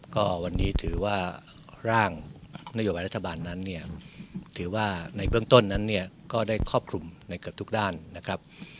ก็วันนี้ถือว่าร่างนโยบายรัฐบาลนั้นเนี่ยถือว่าในเบื้องต้นนั้นเนี่ยก็ได้ครอบคลุมในเกือบทุกด้านนะครับ